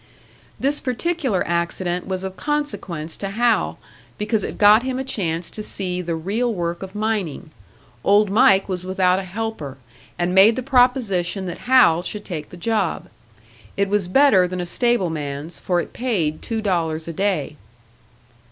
This particular, accident was of consequence to Hal, because it got him a chance to see the real work of mining. Old Mike was without a helper, and made the proposition that Hal should take the job. It was better than a stableman's, for it paid two dollars a day.